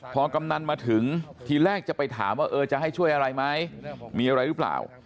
พอกำนันมาถึงทีแรกจะไปถามว่าเออจะให้ช่วยอะไรไหมมีอะไรหรือเปล่า